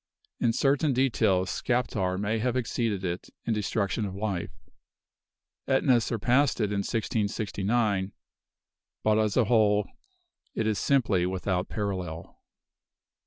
In certain details, Skaptar may have exceeded it: in destruction of life. Ætna surpassed it in 1669; but as a whole, it is simply without a parallel.